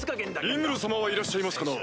リムル様はいらっしゃいますかな？